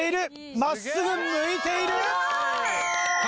真っすぐ向いている！